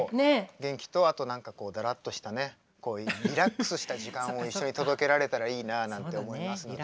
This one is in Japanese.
元気とあと何かこうダラッとしたねリラックスした時間を一緒に届けられたらいいななんて思いますので。